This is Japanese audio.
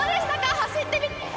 走ってみて。